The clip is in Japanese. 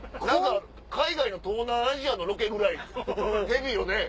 海外の東南アジアのロケぐらいヘビーよね？